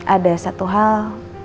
ada satu hal